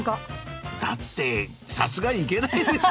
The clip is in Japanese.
だってさすがに行けないでしょうよ。